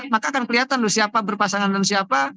maka akan kelihatan siapa berpasangan dengan siapa